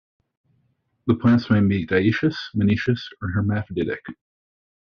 The plants may be dioecious, monoecious, or hermaphroditic.